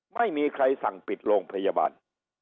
ไม่มีใครสั่งปิดโรงพยาบาล